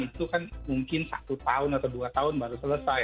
itu kan mungkin satu tahun atau dua tahun baru selesai